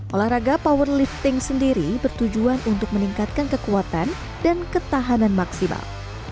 olahraga power lifting sendiri bertujuan untuk meningkatkan kekuatan dan ketahanan maksimal